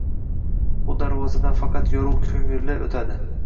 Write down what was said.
Bu darvozadan faqat yorugʻ koʻngili otadi.